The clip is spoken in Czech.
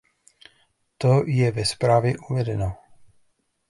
To je ve zprávě uvedeno.